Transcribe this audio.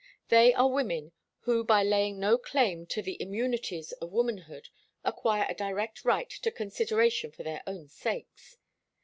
They are women who by laying no claim to the immunities of womanhood acquire a direct right to consideration for their own sakes.